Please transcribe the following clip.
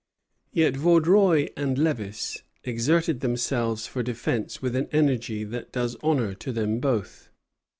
Yet Vaudreuil and Lévis exerted themselves for defence with an energy that does honor to them both.